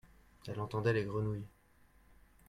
Elle entendait les grenouilles.